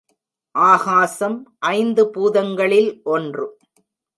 ஆகாசம் ஐந்து பூதங்களில் ஒன்று.